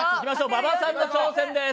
馬場さんの挑戦です。